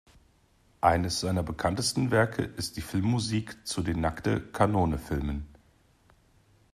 Eines seiner bekanntesten Werke ist die Filmmusik zu den Nackte Kanone-Filmen.